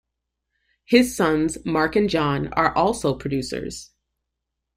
His sons, Mark and John, are also producers.